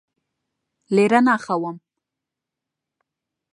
لێرە ناخەوم.